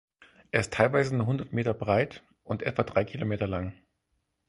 Er ist teilweise nur unter hundert Meter breit und etwa drei Kilometer lang.